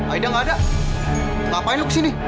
aida gak ada ngapain lu kesini